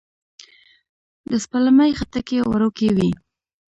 د سپلمۍ خټکی وړوکی وي